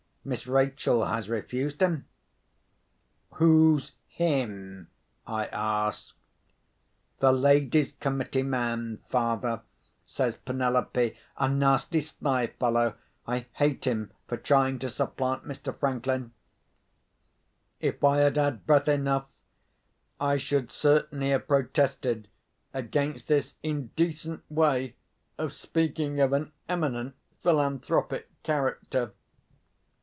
Miss Rachel has refused him." "Who's 'him'?" I asked. "The ladies' committee man, father," says Penelope. "A nasty sly fellow! I hate him for trying to supplant Mr. Franklin!" If I had had breath enough, I should certainly have protested against this indecent way of speaking of an eminent philanthropic character.